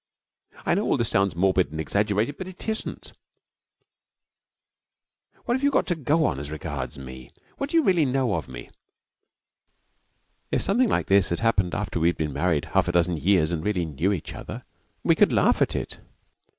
I know all this sounds morbid and exaggerated, but it isn't. What have you got to go on, as regards me? What do you really know of me? If something like this had happened after we had been married half a dozen years and really knew each other, we could laugh at it.